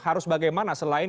harus bagaimana selain